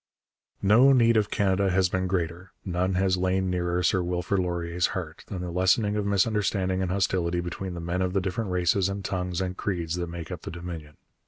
No need of Canada has been greater, none has lain nearer Sir Wilfrid Laurier's heart, than the lessening of misunderstanding and hostility between the men of the different races and tongues and creeds that make up the Dominion.